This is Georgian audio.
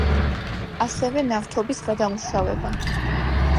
ასევე ნავთობის გადამუშავება.